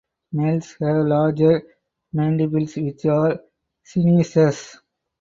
Males have larger mandibles which are sinuous.